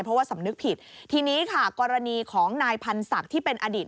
เพราะว่าสำนึกผิดทีนี้ค่ะกรณีของนายพันธ์ศักดิ์ที่เป็นอดีต